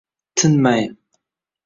Tinmay